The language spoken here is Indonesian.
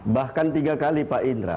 bahkan tiga kali pak indra